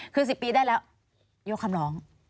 คือ๑๐ปีได้แล้วยกคำร้อง